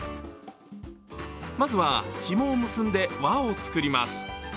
まずは、ひもを結んで輪を作ります。